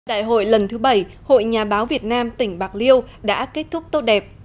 đại hội lần thứ bảy hội nhà báo việt nam tỉnh bạc liêu đã kết thúc tốt đẹp